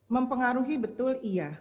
mempengaruhi betul iya